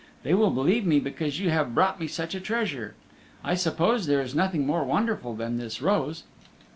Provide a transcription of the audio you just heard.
They will believe me because you have brought me such a treasure! I suppose there is nothing more wonderful than this rose!"